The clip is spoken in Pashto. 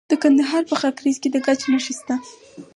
د کندهار په خاکریز کې د ګچ نښې شته.